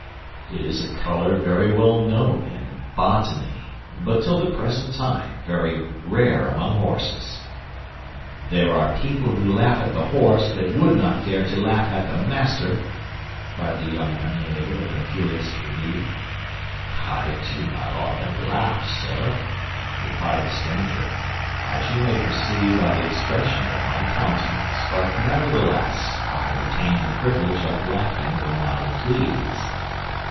"It is a color very well known in botany, but till the present time very rare among horses." "There are people who laugh at the horse that would not dare to laugh at the master," cried the young emulator of the furious Tréville. "I do not often laugh, sir," replied the stranger, "as you may perceive by the expression of my countenance; but nevertheless I retain the privilege of laughing when I please."